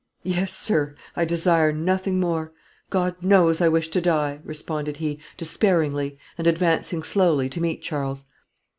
"Yes, sir; I desire nothing more; God knows I wish to die," responded he, despairingly, and advancing slowly to meet Charles.